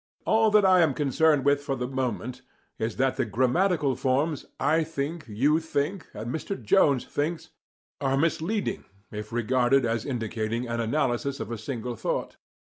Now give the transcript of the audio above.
All that I am concerned with for the moment is that the grammatical forms "I think," "you think," and "Mr. Jones thinks," are misleading if regarded as indicating an analysis of a single thought.